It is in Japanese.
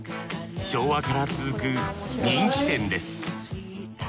昭和から続く人気店です。